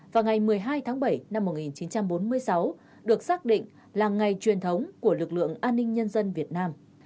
và ngày một mươi hai tháng bảy năm một nghìn chín trăm bốn mươi sáu được xác định là ngày truyền thống của lực lượng an ninh nhân dân việt nam